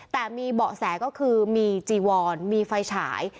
แต่มีเบาะแสก็คือมีจีวอนมีไฟฉาย